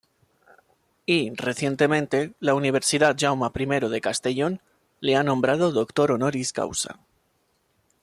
Y, recientemente la Universidad Jaume I de Castellón le ha nombrado Doctor Honoris Causa.